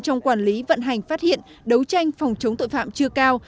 trong quản lý vận hành phát hiện đấu tranh phòng chống tội phạm chưa cao